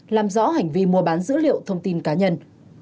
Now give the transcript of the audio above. làm rõ hành vi mua bán dữ liệu thông tin cá nhân